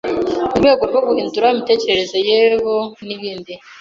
mu rwego rwo guhindure imitekerereze yebo n’ibindi.